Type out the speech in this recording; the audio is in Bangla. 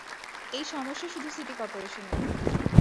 এই সমস্যা শুধু সিটি করপোরেশনের